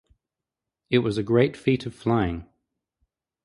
It was a great feat of flying.